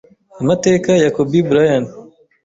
Amateka ya Kobe Bryant